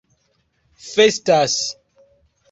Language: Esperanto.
festas